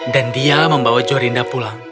dan dia membawa jorinda pulang